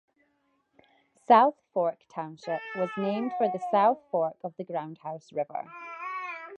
South Fork Township was named for the south fork of the Groundhouse River.